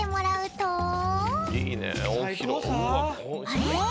あれ？